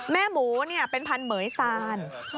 แม่หมูเป็นพันธเหมือยซาน